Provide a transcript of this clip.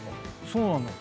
そうなの。